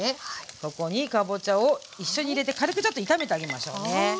ここにかぼちゃを一緒に入れて軽くちょっと炒めてあげましょうね。